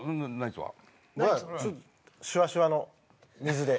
シュワシュワの水で。